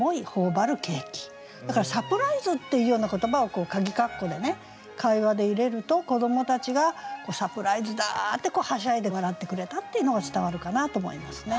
だからサプライズっていうような言葉をこうかぎ括弧でね会話で入れると子どもたちが「サプライズだ！」ってはしゃいで笑ってくれたっていうのが伝わるかなと思いますね。